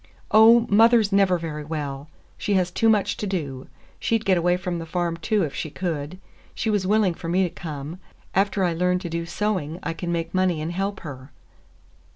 "Oh, mother's never very well; she has too much to do. She'd get away from the farm, too, if she could. She was willing for me to come. After I learn to do sewing, I can make money and help her."